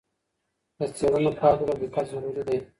د څېړنې پایلو ته دقت ضروری دی.